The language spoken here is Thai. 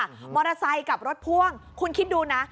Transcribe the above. มอเตอร์ไซค์กับรถพ่วงคุณคิดดูนะ